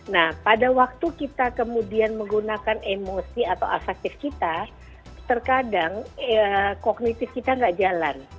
nah pada waktu kita kemudian menggunakan emosi atau afektif kita terkadang kognitif kita nggak jalan